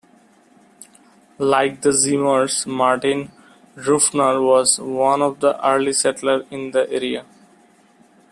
Like the Zimmer's, Martin Ruffner was one of the early settlers in the area.